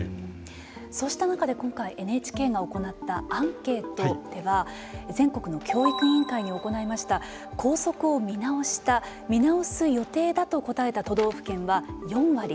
そうした中で今回ＮＨＫが行ったアンケートでは全国の教育委員会に行いました校則を見直した、見直す予定だと答えた都道府県は４割。